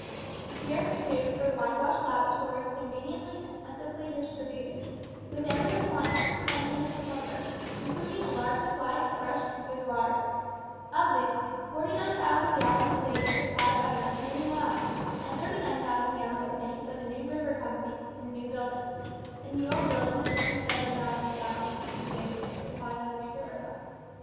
Here, too, were whitewashed lavatories conveniently and plentifully distributed, with every appliance for cleanliness and comfort, including a large supply of fresh and good water. Of this, 49,000 gallons a day is supplied by an artesian well, and 39,000 gallons a day by the New River Company, in the new building. In the old building the 27,000 gallons consumed daily is supplied by the New River Company.